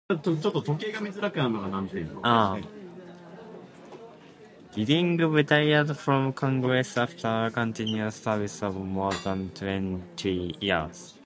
Giddings retired from Congress after a continuous service of more than twenty years.